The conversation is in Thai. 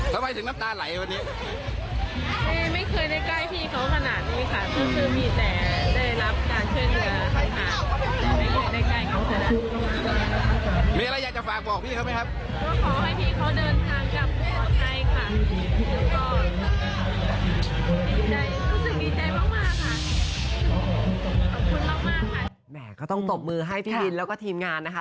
แต่ก็ต้องตบมือให้พี่บินแล้วก็ทีมงานนะคะ